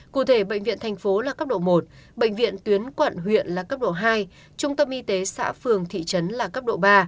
cụ thể bệnh viện thành phố là cấp độ một bệnh viện tuyến quận huyện là cấp độ hai trung tâm y tế xã phường thị trấn là cấp độ ba